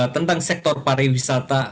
tentang sektor pariwisata